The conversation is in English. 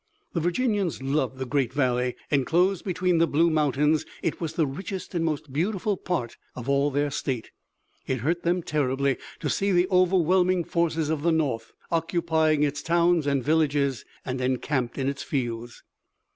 The Virginians loved the great valley. Enclosed between the blue mountains it was the richest and most beautiful part of all their state. It hurt them terribly to see the overwhelming forces of the North occupying its towns and villages and encamped in its fields.